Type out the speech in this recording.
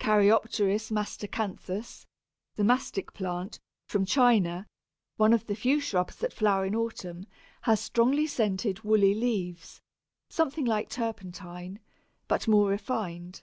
Caryopteris Mastacanthus, the Mastic plant, from China, one of the few shrubs that flower in autumn, has strongly scented woolly leaves, something like turpentine, but more refined.